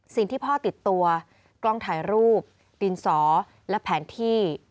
สิ่งที่พ่อติดตัวกล้องถ่ายรูปดินสอและแผนที่